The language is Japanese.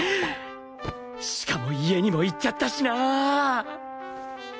しかも家にも行っちゃったしな！